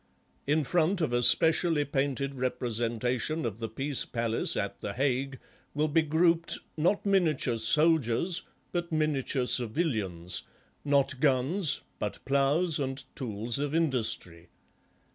In front of a specially painted representation of the Peace Palace at The Hague will be grouped, not miniature soldiers but miniature civilians, not guns but ploughs and the tools of industry